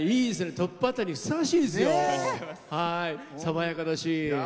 トップバッターにふさわしいですよ、爽やかだし。